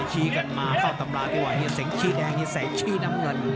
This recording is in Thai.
ชี้กันมาเข้าตำราไปไว้ให้เสียงชี้แดงให้เสียงชี้น้ำเงิน